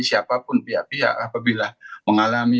siapapun pihak pihak apabila mengalami